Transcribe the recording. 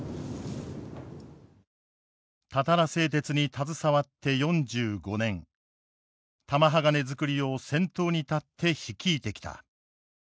たたら製鉄に携わって４５年玉鋼づくりを先頭に立って率いてきた。